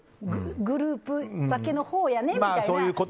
グループ分けのほうやねんみたいな。